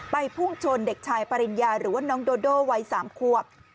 พุ่งชนเด็กชายปริญญาหรือว่าน้องโดโดวัย๓ควบ